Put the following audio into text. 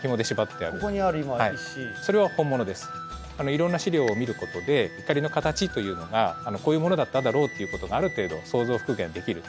いろんな資料を見ることで碇の形というのがこういうものだっただろうっていうことがある程度想像復元できる。